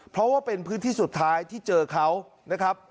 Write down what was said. เพราะว่าเป็นพื้นที่สุดท้ายที่เจอเขานะครับ